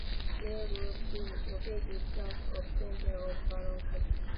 Maple Grove is located south of the center of Barron County.